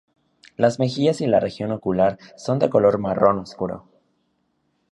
Las mejillas y la región ocular son de color marrón oscuro.